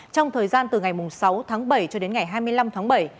trong thời gian từ ngày sáu tháng bảy cho đến ngày hai mươi năm tháng bảy